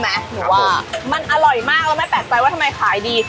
หนูว่ามันอร่อยมากแล้วแม่แปลกใจว่าทำไมขายดี